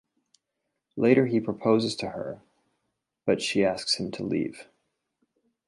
Later he proposes to her but she asks him to leave.